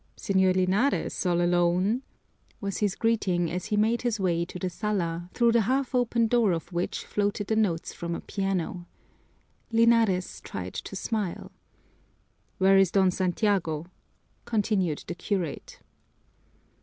"Señor Linares, all alone?" was his greeting as he made his way to the sala, through the half opened door of which floated the notes from a piano. Linares tried to smile. "Where is Don Santiago?" continued the curate.